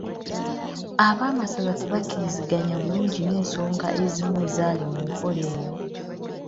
Ab'amasaza tebakkiriziganya bulungi n'ensonga ezimu ezaali mu nkola eyo.